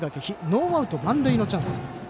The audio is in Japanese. ノーアウト、満塁のチャンス。